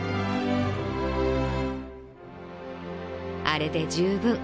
「あれで十分。